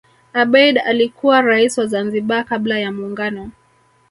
abeid alikuwa rais wa zanzibar kabla ya muungano